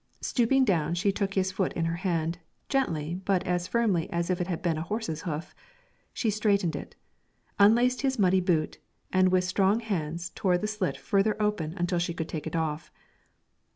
Stooping down, she took his foot in her hand, gently, but as firmly as if it had been a horse's hoof. She straightened it, unlaced his muddy boot, and with strong hands tore the slit further open until she could take it off.